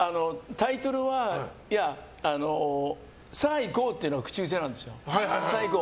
タイトルは、さあ行こうっていうのが口癖なんですよ。